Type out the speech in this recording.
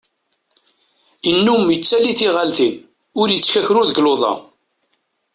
Innum ittali tiɣaltin, ur ittkakru deg luḍa.